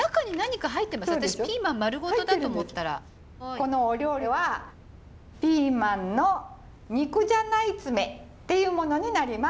このお料理はピーマンの肉じゃない詰めっていうものになります。